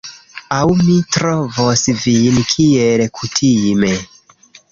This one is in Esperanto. Aŭ mi trovos vin kiel kutime...